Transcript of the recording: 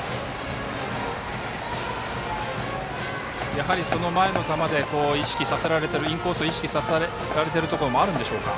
やはりその前の球でインコースを意識させられているところもあるんでしょうか。